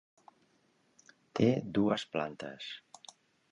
Té dues plantes.